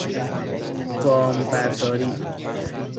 گام برداری